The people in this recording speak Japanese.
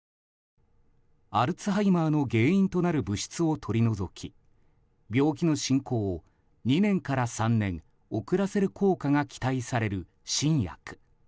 アルツハイマーの原因となる物質を取り除き病気の進行を２年から３年遅らせる効果が期待される新薬。